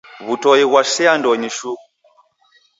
W'utoi ghwasea ndonyi shuu.